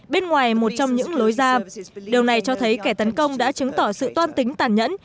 bên ngoài một trong những lối ra điều này cho thấy kẻ tấn công đã chứng tỏ sự toan tính tàn nhẫn